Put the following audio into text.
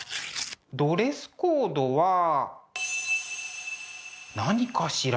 ドレスコードは何かしら？